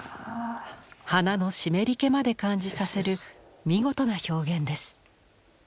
鼻の湿り気まで感じさせる見事な表現です。